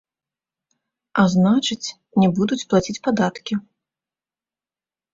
А значыць, не будуць плаціць падаткі.